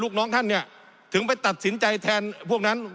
ลูกน้องท่านเนี่ยถึงไปตัดสินใจแทนพวกนั้น